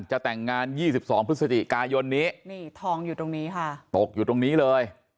จะแต่งงาน๒๒พฤศจิกายนนี้นี่ทองอยู่ตรงนี้ค่ะตกอยู่ตรงนี้เลย